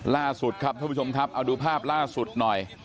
ล่าสุดครับท่านผู้ชมครับเอาดูภาพล่าสุดหน่อย